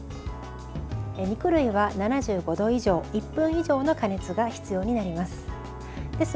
肉類は７５度以上、１分以上の加熱が必要になります。